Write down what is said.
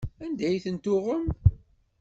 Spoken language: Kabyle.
Anda ay tent-tuɣem?